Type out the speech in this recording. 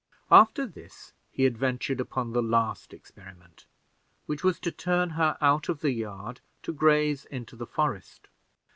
After this he adventured upon the last experiment, which was to turn her out of the yard to graze in the forest.